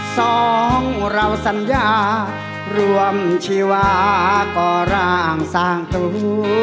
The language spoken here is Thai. สองเราสัญญารวมชีวาก่อร่างสร้างตัว